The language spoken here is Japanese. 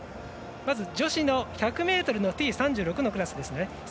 まず女子の１００ｍのＴ３６のクラスですね。